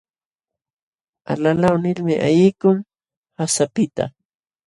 Alalaw nilmi ayqikun qasapiqta.